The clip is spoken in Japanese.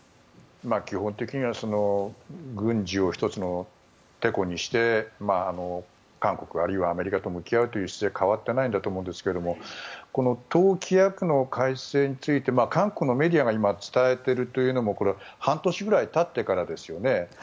基本的には軍事を１つのてこにして韓国あるいはアメリカと向き合うという姿勢は変わってないと思いますがこの党規約の改正について韓国のメディアが伝えているというのも半年ぐらい経ってからですよね。